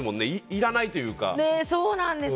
いらないというか。